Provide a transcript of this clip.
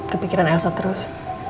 kepikiran elsa terus